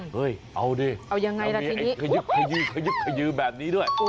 เฮ้ยเอาด้วยขยึบขยืแบบนี้ด้วย